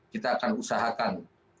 kita akan usahakan